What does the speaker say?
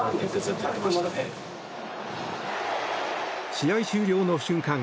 試合終了の瞬間